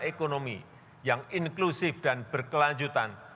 ekonomi yang inklusif dan berkelanjutan